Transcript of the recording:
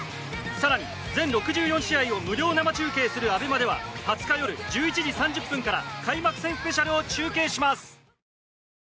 更に、全６４試合を無料生中継するＡＢＥＭＡでは２０日夜１１時３０分から開幕戦スペシャルを中継します。